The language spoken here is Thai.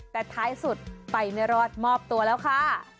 แต่ท้ายสุดไปไม่รอดมอบตัวแล้วค่ะ